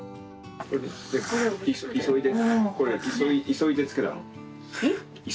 急いで漬けたの？